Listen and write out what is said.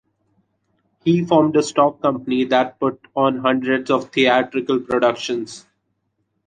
He formed a stock company that put on hundreds of theatrical productions.